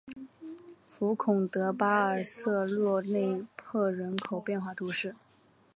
福孔德巴尔瑟洛内特人口变化图示